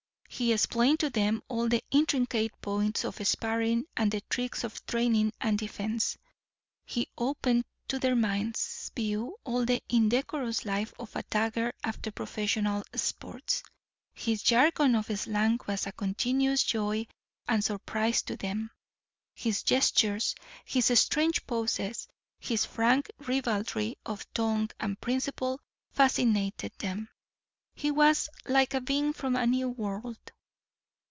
He explained to them all the intricate points of sparring and the tricks of training and defence. He opened to their minds' view all the indecorous life of a tagger after professional sports. His jargon of slang was a continuous joy and surprise to them. His gestures, his strange poses, his frank ribaldry of tongue and principle fascinated them. He was like a being from a new world.